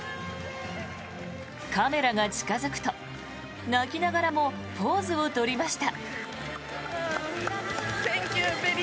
カメラが近付くと、泣きながらもポーズを取りました。